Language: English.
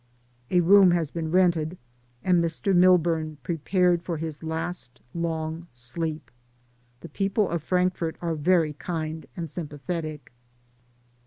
A room has been rented and Mr. Milburn prepared for his last long sleep. The people of Frank fort are very kind, and sympathetic.